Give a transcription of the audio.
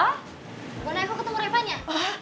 bu nekko ketemu repanya